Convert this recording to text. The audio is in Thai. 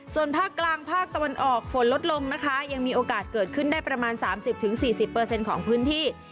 ส่วนภาคกลางภาคตะวันออกฝนลดลงนะคะยังมีโอกาสเกิดขึ้นได้ประมาณ๓๐๔๐ของพื้นที่